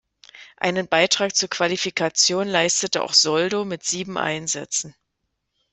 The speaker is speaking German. Einen Beitrag zur Qualifikation leistete auch Soldo mit sieben Einsätzen.